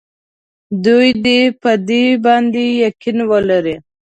دوی دې په دې باندې یقین ولري.